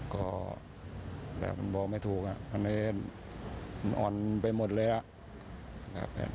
ก็แบบบอกไม่ถูกมันอ่อนไปหมดเลย